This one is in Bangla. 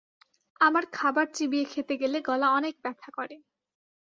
আমার খাবার চিবিয়ে খেতে গেলে গলা অনেক ব্যথা করে।